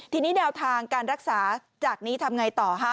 ทีนี้แนวทางการรักษาจากนี้ทำไงต่อฮะ